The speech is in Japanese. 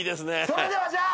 それではじゃあ。